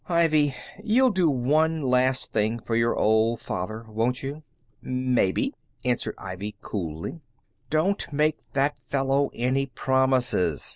"Ivy, you'll do one last thing for your old father, won't you?" "Maybe," answered Ivy, coolly. "Don't make that fellow any promises.